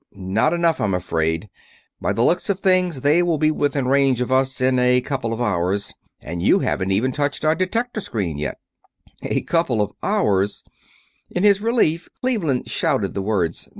"Not enough, I'm afraid. By the looks of things they will be within range of us in a couple of hours, and you haven't even touched our detector screen yet." "A couple of hours!" In his relief Cleveland shouted the words.